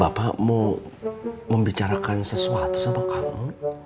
bapak mau membicarakan sesuatu sama kamu